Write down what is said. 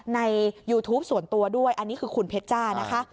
ในยูทูปส่วนตัวด้วยอันนี้คือคุณเพชรจ้านะคะ